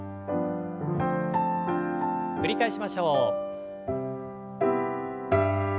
繰り返しましょう。